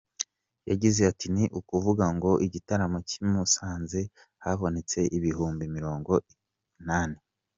Yagize ati “Ni ukuvuga ngo igitaramo cy’i Musanze habonetse ibihumbi mirongo inani.